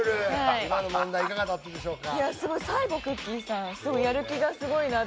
今の問題いかがだったでしょうか？